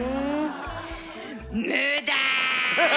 無駄！